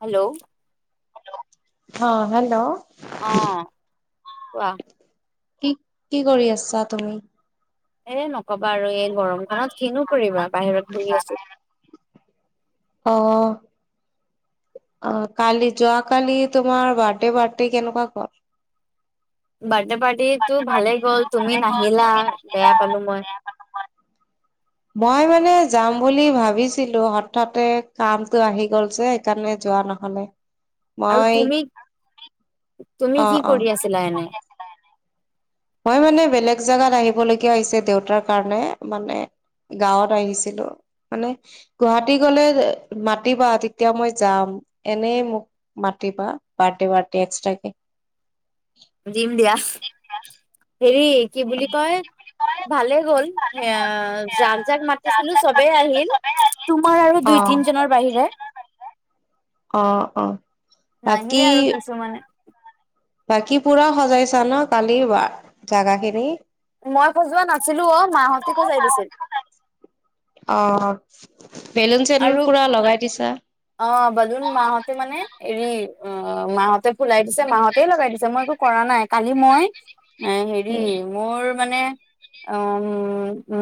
Hello অ hello অ কোৱা? কি কি কৰি আছা তুমি? এ নকবা আৰু এই গৰমখনত কিনো কৰিবা বাহিৰত আছো। অ। অ কালি যোৱা কালি তোমাৰ বাৰ্থডে পাৰ্টি কেনেকুৱা গ'ল। বাৰ্থডে পাৰ্টিটো ভালে গ'ল তুমি নাহিলা বেয়া পালো মই। মই মানে যাম বুলি ভাবিছিলো হঠাতে কামটো আহি গল যে সেইকাৰণে যোৱা নহ'লে। আৰু মই তুমি, তুমি অ কি অ কৰি আছিলা এনে? মই মানে বেলেগ জোগাত আহিবলগীয়া হৈছে দেউতাৰ কাৰণে মানে গাঁৱত আহিছিলো। মানে গুৱাহাটী গলে মাতিবা তেতিয়া মই যাম এনে মোক মাত- টিবা পাৰ্টি পাৰ্টি এক্সট্ৰা কে দিম দিয়া হেৰি কি বুলি কয় ভালে গ'ল এ যাক যাক মাতিছিলো চবেই আহিল। তোমাৰ আৰু দুই তিনজনৰ বাহিৰে। অ অ নাহিলে বাকী আৰু কিছুমানে বাকী পুৰা সজাইছা ন কালি জাগা খিনি। মই খজোৱা নাছিলো অ মাহঁতে খজাই দিছিল অ। বেলুন চেলুন আৰু পুৰা লগাই দিছা অ বাদুন মাহতে মানে এৰি অ মাহঁতে ফুলাই দিছে মাহতেই লগাই দিছে মই একো কৰা নাই, কালি মই। এ হেৰি উম মোৰ মানে অম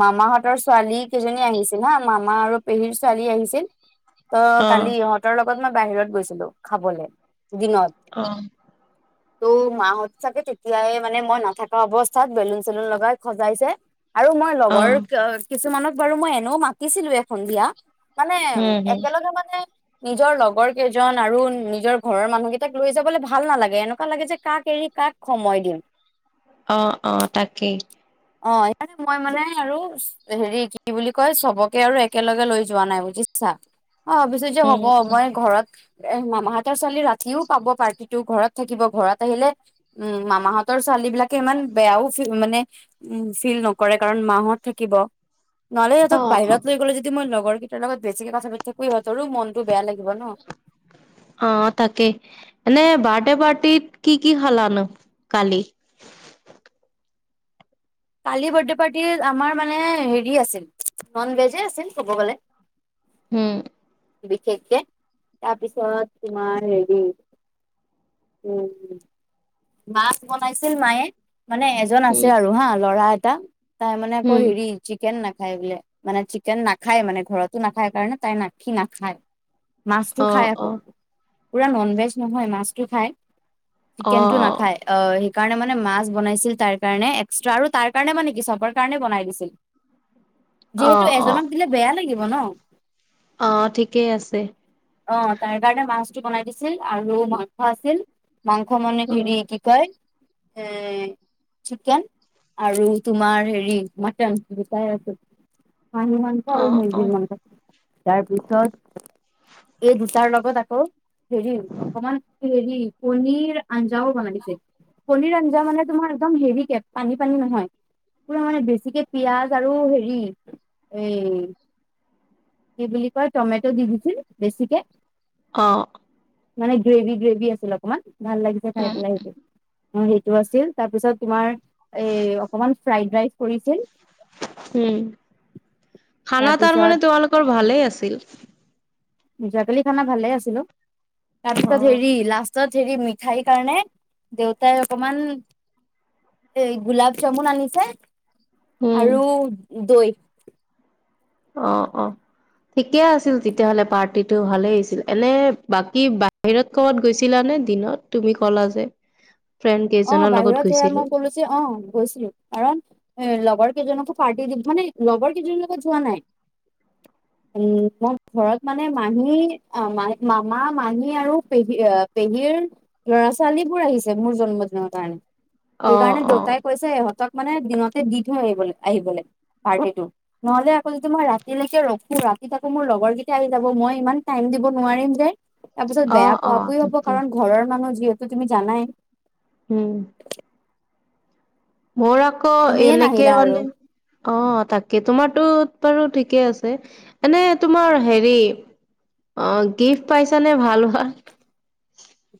মামাহতৰ ছোৱালী কেইজনী আহিছিল হা মামা আৰু পেহীৰ ছোৱালী আহিছিল ত অ কালি ইহঁতৰ লগত মই বাহিৰত গৈছিলো খাবলে। দিনত অ ত' মাহত চাগে তেতিয়াই মানে মই নাথকা অৱস্থাত বেলুন চেলুন লগাই খজাইছে। আৰু মই অ লগৰ কিছুমানত বাৰু মই এনেও মাতিছিলো এ সন্ধিয়া। মানে উম হম একেলগে মানে নিজৰ লগৰ কেইজন আৰু নিজৰ ঘৰৰ মানুহকেইটাক লৈ যাবলৈ ভাল নালাগে। এনেকুৱা লাগে যে কাক এৰি কাক সময় দিম। অ অ তাকেই। অ ই মই মানে আৰু হেৰি কি বুলি কয় চবকে আৰু একেলগে লৈ যোৱা নাই বুজিছ- ছা অবিচে যে উম হ'ব মই ঘৰত এ মামাহঁতৰ ছোৱালী ৰাতিও পাব পাৰ্টিটো ঘৰত থাকিব ঘৰত আহিলে, উম মামাহঁতৰ তৰ ছোৱালী বিলাকে ইমান বেয়াও মানে ফি উ ফিল নকৰে কাৰণ মাহত থাকিব। নহলে সিহঁতক বাহিৰত ল গলে যদি ম লগৰেইটাৰ লগত বেছিকে কথা পাতো সিহঁত অ তাকেই এনেই বাৰ্থডে পাৰ্ট- তিত কি কি খালা নো, কালি? কালি বাৰ্থডে পাৰ্টি আমাৰ মানে হেৰি আছিল। নন ভেজে আছিল ক'ব গ'লে। হম। বিশেষকে তাৰপিছত তোমাৰ হেৰি উ মাছ বনাইছিল মায়ে। মানে এজন আছে উম আৰু হা ল'ৰা এটা তাই মানে আকৌ উম হেৰি চিকেন নাখ- খাই বোলে, মানে চিকেন নাখায় মানে ঘৰতো নাখায় কাৰণে তাই নাখি নাখায়। মাছটো অ খাই আকৌ অ পুৰা নন ভেজ নহয় মাছটো খাই। অ চিকেনটো নাখায় অ সেইকাৰণে মানে মাছ বনাইছিল তাৰ কাৰণে এক্সট্ৰা আৰু। তাৰ কাৰণে মানে কি চবৰ কাৰণে বনাই দিছিল, অ যিহেতু অ এজনক দিলে বেয়া লাগিব। অ ঠিকেই আছে অ তাইৰ কাৰণে মাছ। বনাই দিছিল আৰু মাইস আছিল মাংস মানে অ হেৰি কি কয় এ চিকেন। আৰু তোমাৰ হেৰি মটন দুটাই আছিল। মানুহ মাংস অ আৰু অ মুৰ্গী মাংস তাৰ পিছত এই দুটাৰ লগত আকৌ হেৰি অকমান হেৰি পনীৰ আঞ্জাও বনাইছে, পনীৰ আঞ্জা মানে তোমাৰ একদম হেৰি কে পানী পানী নহয় পুৰা মানে বেছিকে পিয়াজ আৰু হেৰি এই কি বুলি কয় টমেটো দি দিছিল বেছিকে। অ। মানে গ্ৰেভি গ্ৰেভি আছিল অকমান ভাল লাগিছে খাই পেলাই সেইটো। অ সেইটো আছিল, তাৰপিছত তোমাৰ এ অকমান ফ্ৰাইড ৰাইচ পৰিছিল। উম খানা তাৰ তাৰপিছত মানে তোমালোকৰ ভালেই আছিল। যোৱাকালি খানা ভালে আছিলো তাৰ পিছত অ', হেৰি লাষ্টত, হেৰি মিঠাই কাৰণে দেউতাই অকমান। এই গোলাপ জামুন আনিছে উম, আৰু দৈ। অ অ। ঠিকে আছিল তেতিয়াহ'লে পাৰ্টিটো ভালে হৈছিল, এনে বাকী বাহিৰত ক'বাত গৈছিলা নে দিনত তুমি ক'লা যে। ফ্ৰেণ্ড অ কেইজনৰ লগত বাহিৰত সেয়া গৈছিলো। মই কলো যে অ গৈছিলো কাৰণ এ লগৰ কেইজনকো পাৰ্টি দিম মানে লগৰ কিজনিৰ লগত যোৱা নাই। [inaudible] উম মই ঘৰত মানে মাহী ম মামা, মাহী আৰু পেহী, পেহীৰ ল'ৰা ছোৱালী বোৰ আহিছে মোৰ জন্ম ন কাৰণে, অ', সেইকাৰণে অ', দেউতাই কৈছে ইহঁতক মানে দিনতে দি থৈ আহিবলে আহিবলে। পাটিৰ্টো নহলে আকৌ যদি মই ৰাতিলৈকে ৰখো ৰাতি আকৌ মোৰ লগৰকেইটা আহি যাব মই ইমান টাইম দিব নোৱাৰিম যে তাৰপিছত অ', বেয়া পোৱা‌ অ', পুই হ'ব তাকে, কাৰণ ঘৰৰ মানুহ যিহেতু তুমি জানাই। উম। মোৰ আকৌ তুমিয়ে এনেকে নাহিলা আৰু মানে, অ তাকে তোমাৰটো বাৰু ঠিক। ঠিকেই আছে এনে তোমাৰ হেৰি অ গিফ্ট পাইছানে ভাল ভাল।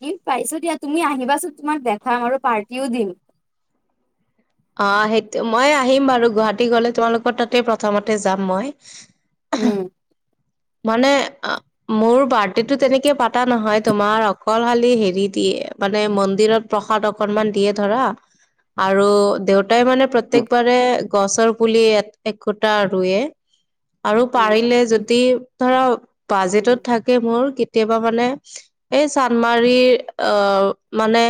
দিম পাইছো দিয়া তুমি আহিবাচোন তোমাক দেখাম আৰু পাৰ্টিও দিম। অ সেইটো মই আহিম বাৰু গুৱাহাটী গলে তোমালোকৰ তাতে প্ৰথমতে যাম মই। এ হে উম মানে মোৰ বাৰ্থডেটো তেনেকে পাতা নহয় তোমাৰ অকল খালি হেৰি দিয়ে, মানে মন্দিৰত প্ৰসাদ অকনমান দিয়ে ধৰা আৰু দেউত- তই মানে প্ৰত্যেকবাৰে গছৰ পুলি এক একোটা ৰুৱে। আৰু উম পাৰিলে যদি ধৰা উম বাজেটত থাকে মোৰ কেত- তে বা মানে এই চানমাৰীৰ অ মানে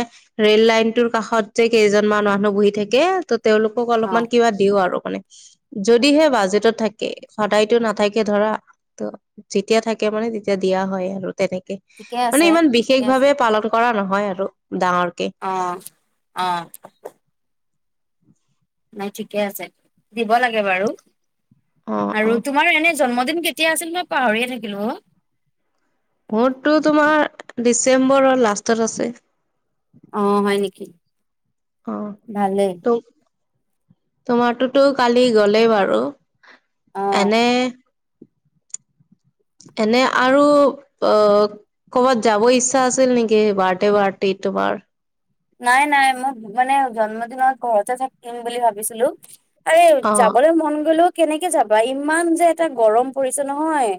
ৰেল লাইনটোৰ কাষত তে কেইজন মান মানুহ বহি থাকে ত' তেওঁলোকক অ অলপমান কিবা দিও আৰু মানে। যদিহে বাজেটত থাকে সদায়তো নাথাকে ধৰা। ত যেতিয়া থাকে মানে তেতিয়া দিয়া হয় আৰু। তেনেকে ঠিকে মানে আছে ইমান বিশেষ ঠিকে আছে ভাৱে পালন কৰা নহয় আৰু। ডাঙৰকে। অ অ নাই ঠিকে আছে, দিব লাগে বাৰু অ আৰু অ তোমাৰো এনে জন্মদিন কেতিয়া আছিল মই পাহৰিয়ে থাকিলো অ। মোৰতটো তোমাৰ ডিচেম্বৰৰ লাষ্টত আছে। অ হয় নেকি? অ ভালেই ত তোমাৰতো ত কালি গলেই বাৰু। অ এনে এনে আৰু অ কৰ'বাত যাব ইচ্ছা আছিল নেকি বাৰ্থডে পাৰ্টিটো তোমাৰ নাই নাই মই মানে জন্মদিনত ঘৰতে থাকিম বুলি ভাবিছিলো। আৰে অ যাবলৈ মন গলেও কেনেকে যাবা ইমান যে এটা গৰম পৰিছে নহয়।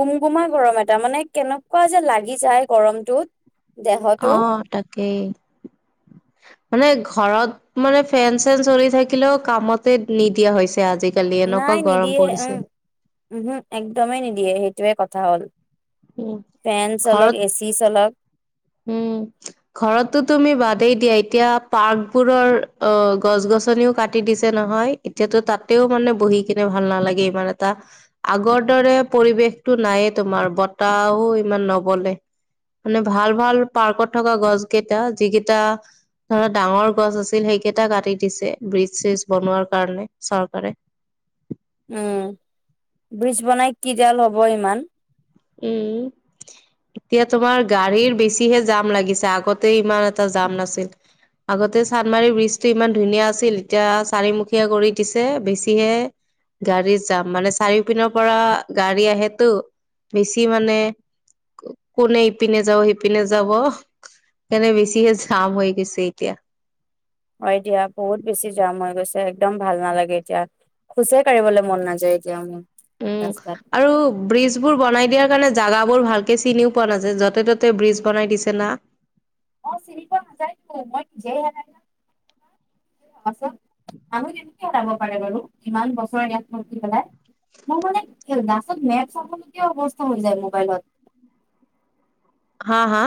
গুম গুমাই গৰম এটা মানে কেনেকুৱা যে লাগি যায় গৰমটোত। দেহটো এই মানে ঘৰত মানে ফেন চেন চলি থাকিলেও কামতে নিদিয়া হৈছ- নাই নিদিয়ে উম উহো একদমেই নিদিয়ে সেইটোয়ে কথা হ'ল। ফেন চলগ ঘৰত এ চি চলগ। উম ঘৰতটো তুমি বাদেই দিয়া এতিয়া পাৰ্কবোৰৰ অ গছ গ- গছনিও কাটি দিছে নহয় এতিয়াটো তাতেও মানে বহি কিনে ভাল নালাগে ইমান এটা আগৰ দৰে পৰিৱেশতটো নায়ে তোমাৰ বতাহও ইমান নবলে, মানে ভাল ভাল পাৰ্কত থকা গছ কেইটা যিকেইটা ধৰা ডাঙৰ গছ আছিল সেইকেইটা কাটি দিছে ব্ৰিজ চ্ৰীজ বনোৱাৰ কাৰণে চৰকাৰে [inaudible] উম বীজ বনাই কিডাল হব ইমান। উম। এতিয়া তোমাৰ গাড়ীৰ বেছিহে জাম লাগিছে আগতে ইমান এটা জাম নাছিল। আগতে চান্দমাৰীৰ ব্ৰিজটো ইমান ধুনীয়া আছিল এতিয়া চাৰিমুখীয়া কৰি দিছে বেছিহে গাড়ীৰ যাম মানে চাৰিও পিনৰ পৰা গাড়ী আহেতো। বেছি মানে কোনে ইপিনে যাব সিপিনে যাব। সেইকাৰণে বেছিহে ঝাম হৈ গৈছে এতিয়া। হয় দিয়া বহুত বেছি যাম হৈ গৈছে একদম ভাল নালাগে এতিয়া। খুচেই কাঢ়িবলে মন নাযায় এতিয়া মানে উম আৰু ব্ৰিজ বোৰ বনাই দিয়াৰ কাৰণে জাগাবোৰ ভালকে চিনিও পোৱা নাযায় য'তে ত'তে ব্ৰিজ বনাই দিছে না। অ চিনি পোৱা নাযায়তো মই নিজে হেৰাই যাওঁ। আছ মানুহ কেনেকে সলাব পাৰে বাৰু ইমান বছৰ ইয়াত থাকি পেলাই। ম মানে দাছত মেপ চাব লগীয়া অৱস্থা হৈ যায় মোবাইলত। হা হা।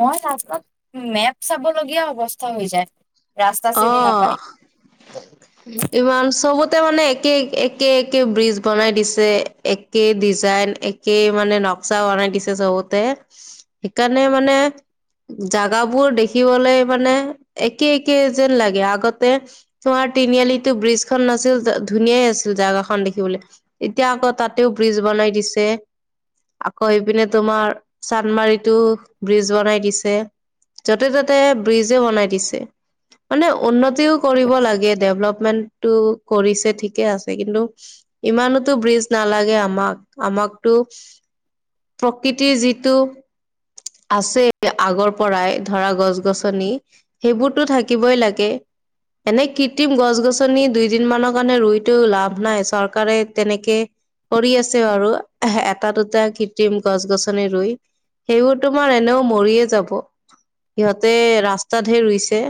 মই ৰাস্তাত মেপ চাবলগীয়া অৱস্থা হৈ যায়। ৰাস্তা অ চিনি নাপায় ইমান চবুত তে মানে একে একে একে ব্ৰিজ বনাই দিছে একে ডিজাইন একে মানে ন- বক্সা দিছে চবতে সেইকাৰণে মানে জোগাবোৰ দেখিবলে মানে একে কেই যেন লাগে আগতে তোমাৰ তিনিআলিটো ব্ৰিজ খন নাছিল ধুনীয়াই আছিল জাগা খন। দেখিবলৈ, এতিয়া আকৌ তাতেও ব্ৰিজ বনাই দিছে। আকৌ সিপিনে তোমাৰ চান্দমাৰিতো ব্ৰিজ বনাই দিছে। য'তে ত'তে ব্ৰিজে বনাই দিছে। মানে উন্নতিও কৰিব লাগে ডেভলপমেন্টটো কৰিছে ঠিকে আছে কিন্তু ইমানতো ব্ৰীজ নালাগে আমাক আমাকতো প্ৰকৃতিৰ যিটো আছে আগৰ পৰাই ধৰা গছ গছনি সেইবোৰ টো থাকিবই লাগে। এনে কৃত্ৰিম গছ গছনি দুইদিন মানৰ কাৰণে ৰুইতো লাভ নাই, চৰকাৰে তেনেকে পৰি আছে আৰু এটা দুটা কৃত্ৰিম গছ গছনি ৰুই। সেও তোমাৰ এনেও মৰিয়ে যাব সিহঁতে ৰাস্তাত হে ৰুইছে।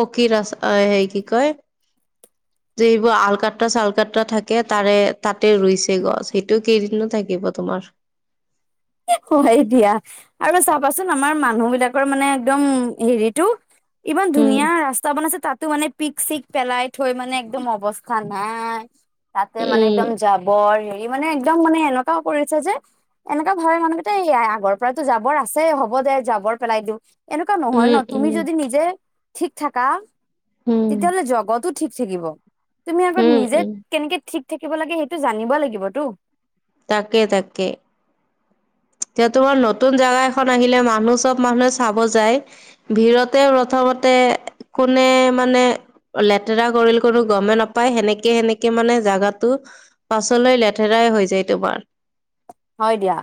পকী ৰাস আ সেই কি কয় যে এইবোৰ আলকাট্ৰা চালকাট্ৰা থাকে তাৰে তাতে ৰুইছে গছ সেইটো কেইদিনো থাকিব তোমাৰ। [inaudible] হয় দিয়া আৰু চাবাচোন আমাৰ মা মানুহ বিলাকৰ মানে একদম হেৰিটো ইমান উম ধুনীয়া ৰাস্তা বনাইছে তাত। টো মানে পিক চিক পেলাই থৈ মানে একদম অৱস্থা নাই। তাতে মানে উম একদম জাবৰ হেৰি মানে একদম মানে এনেকুৱাও কৰিছে যে এনে, ঘয় মানুহকেইটা আগৰ পৰাতো জাবৰ আছে হ'ব দে জাবৰ পেলাই দিওঁ। এনেকুৱা নহয় উম ন তুমি উম যদি নিজে ঠিক থাকা উম তেতিয়া হ'লে জগটোত ঠিক থাকিব। তুমি আগত উম নিজে উম কেনেকে ঠিক থাকিব লাগে সেইটো জানিব লাগিবতো। তাকে তাকে। এ তোমাৰ নতুন জেগা এখন আহিলে মানুহ চব মানুহে চাব যায়, ভিতৰতে প্ৰথম কোনে মানে লেতেৰা কৰিল কোনো গমে নাপায় সেনেকে সেনেকে মানে জাগাটো পাছলৈ লেতেৰাই হৈ যায় তোমাৰ। হয় দিয়া।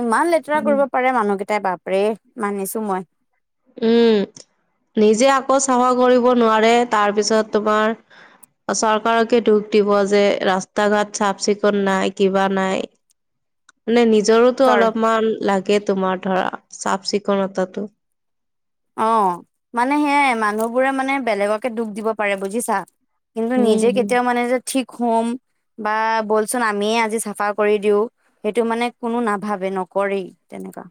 ইমান লেতেৰা কৰিব পাৰে মানুহকেইটাই বাপৰে মানিছো মই। উম নিজে আকৌ চাফা কৰিব নোৱাৰে তাৰপিছত তোমাৰ চৰকাৰকে দুখ দিব যে ৰাস্তা ঘাট চাফ চিকুণ নাই কিবা নাই। মানে নিজৰোতো চৰ অলপমান লাগে তোমাৰ ধৰা চাফ চিকুণতাটো অ মানে সেয়াই মানুহবোৰে মানে বেলেগকে দুখ দিব পাৰে বুজিছা। কিন্তু উম নিজে হম কেতিয়াও মানে যে ঠিক হ'ম। বা ব'লচোন আমিয়ে আজি চাফা কৰি দিওঁ সেইটো মানে কোনো নাভাবে নকৰেই তেনেকুৱা।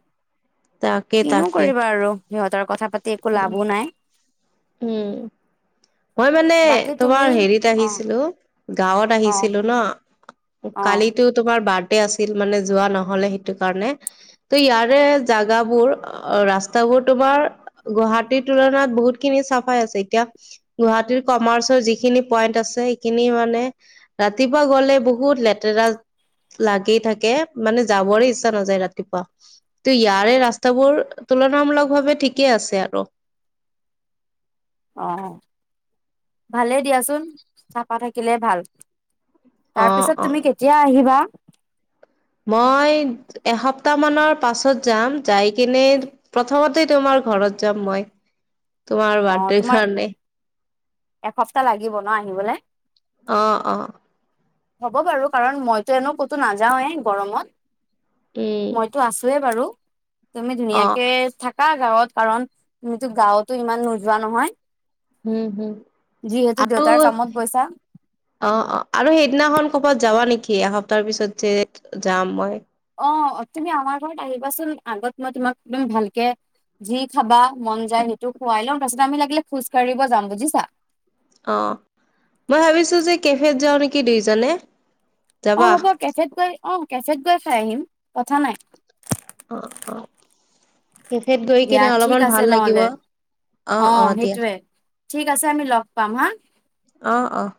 তাকে কিনো তাকে কৰিবা আৰু সিহঁতৰ কথা পাতি একো লাভো নাই। উম। মই মানে বাকী তুমি তোমাৰ হেৰিত অ আহিছিলো গাঁৱত অ আহিছিলো ন। অ কালিটো তোমাৰ বাৰ্থ- তে আছিল মানে যোৱা নহলে সেইটো কাৰণে ত ইয়াৰে জাগাবোৰ ৰাস্তাবো- কৌ তোমাৰ গুৱাহাটীৰ তুলনাত বহুত খিনি চাফাই আছে। এতিয়া গুৱাহাটীৰ কমাৰ্চৰ যিখিনি পইন্ট আছে সেইখিনি মানে ৰাতিপুৱা গ'লে বহুত লেতেৰ ৰাজ লাগে থাকে মানে যাবৰে ইচ্ছা নাযায় ৰাতিপুৱা ত ইয়াৰে ৰাস্তাবোৰ তুলনামূলক ভাৱে ঠিকেই আছে আৰু। অ ভালেই দিয়াচোন চাফা থাকিলে ভাল। তাৰ অ', পিছত তুমি অ', কেতিয়া আহিবা। মই এসপ্তাহ মানৰ পাছত যাম, যাই কিনে প্ৰথমতে তোমাৰ ঘৰত যাম মই, তোমাৰ অ বাৰ্থডে তোমাৰ কাৰণে। এসপ্তাহ লাগিব ন আহিবলে। অ অ। হ'ব বাৰু কাৰণ মইতো এনো ক'তো নাযাওৱে গৰমত। উম, মইতো আছোৱে বাৰু। তুমি অ', ধুনীয়াকে থাকা গাঁৱত কাৰণ তুমিতো গাঁৱতো ইমান নোযোৱা নহয়। হম, হম যিহেতু আৰু দেউতাৰ কামত গৈছা। অ অ আৰু সেইদিনাখন কৰ'বাত যাবা নেকি এসপ্তাহৰ পিছত যে যাম মই। অ তুমি আমাৰ ঘৰত আহিবাচোন আগত মই তোমাক দম ভালকে যি খাবা, মন যায় সেইটো খুৱাই লম তাৰপিছত আমি লাগিলে খোজ কাঢ়িব যাম বুজিছা। অ মই ভাবিছো যে কেফেত যাওঁ নেকি দুইজনে। অহ যাবা? হ'ব কেফেত গৈ, অহ কেফেত গৈ খাই আহিম কথা নাই। অহ অহ। কেফেত গৈ দিয়া কিনে ঠিক অলপমান আছে ভাল লাগিব। নহ'লে অহ অ অহ দিয়া। সেইটোৱে ঠিক আছে আমি লগ পাম হা। অহ অহ।